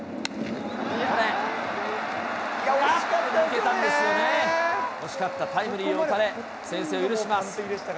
これ、惜しかった、タイムリーを打たれ、先制を許します。